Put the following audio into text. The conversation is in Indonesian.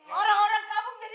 gue masih sakit hati